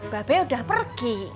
ba be udah pergi